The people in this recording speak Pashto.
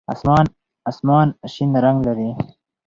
آسمان شین رنګ لري.